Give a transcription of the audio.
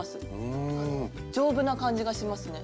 丈夫な感じがしますね。